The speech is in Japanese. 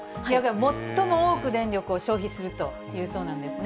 最も多く電力を消費するというそうなんですね。